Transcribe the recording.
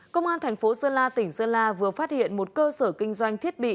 công an thành phố sơn la tỉnh sơn la vừa phát hiện một cơ sở kinh doanh thiết bị